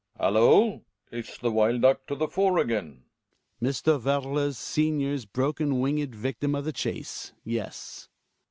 Hallo ! Is the wild duck to the fore again? Hjalmar. Mr. Werle senior's broken winged victim of the chase, yes.